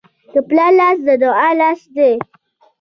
د پلار لاس د دعا لاس دی.